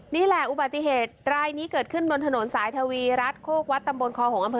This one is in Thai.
นี่แหละอุบัติเหตุรายนี้เกิดขึ้นบนถนนสายทวีรัฐโคกวัดตำบลคอหงอำเภอ